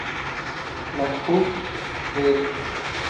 La Uk vz.